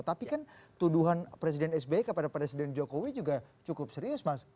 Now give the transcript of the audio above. tapi kan tuduhan presiden sbi kepada presiden jokowi juga cukup serius mas